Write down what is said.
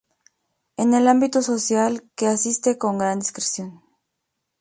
En el ámbito social que asiste con gran discreción.